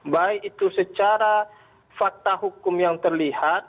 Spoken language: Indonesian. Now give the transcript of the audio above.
baik itu secara fakta hukum yang terlihat